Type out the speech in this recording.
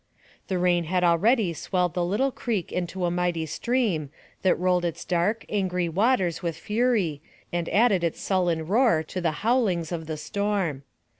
The rain had already swelled the little creek into a mighty stream, that rolled its dark, angry waters with fury, and added its sullen roar to the bowlings of the storm.